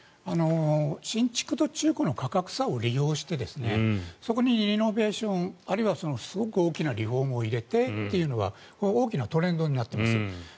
新築と中古の価格差を利用してそこにリノベーションあるいはすごく大きなリフォームを入れてというのが大きなトレンドになっています。